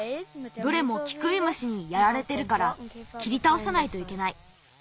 どれもキクイムシにやられてるからきりたおさないといけない。